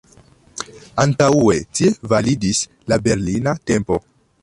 Antaŭe tie validis la Berlina tempo.